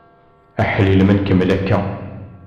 Aḥlil ma nkemmel akka!